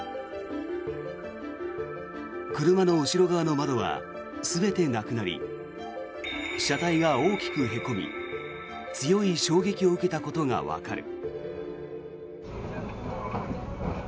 車の後ろ側の窓は全てなくなり車体が大きくへこみ強い衝撃を受けたことがわかる。